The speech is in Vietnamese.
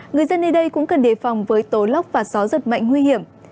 người dân nơi đây cũng cần đề phòng với tố lóc và gió rất mạnh nguy hiểm